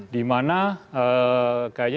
dimana kayaknya sepertinya